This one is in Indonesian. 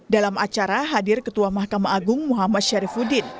dalam acara hadir ketua mahkamah agung muhammad syarifudin